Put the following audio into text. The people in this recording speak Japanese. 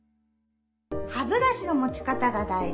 歯ブラシの持ち方が大事です。